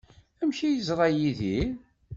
Amek ay yeẓra Yidir?